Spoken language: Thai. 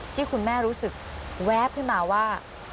ที่คุณแม่รู้สึกแวบขึ้นมาว่า